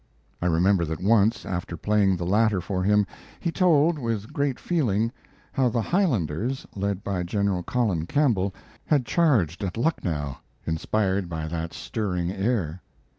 I remember that once, after playing the latter for him, he told, with great feeling, how the Highlanders, led by Gen. Colin Campbell, had charged at Lucknow, inspired by that stirring air.